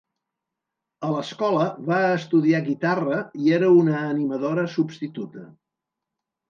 A l'escola va estudiar guitarra i era una animadora substituta.